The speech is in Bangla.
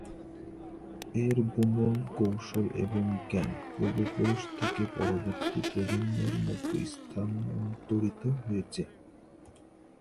এর বুনন কৌশল এবং জ্ঞান পূর্বপুরুষ থেকে পরবর্তী প্রজন্মের মধ্যে স্থানান্তরিত হয়েছে।